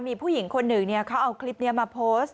มีผู้หญิงคนหนึ่งเขาเอาคลิปนี้มาโพสต์